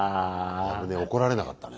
危ねえ怒られなかったね。